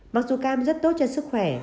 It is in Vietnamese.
mặc dù cam rất tốt cho sức khỏe